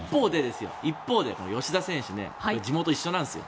一方で吉田選手地元一緒なんですよ。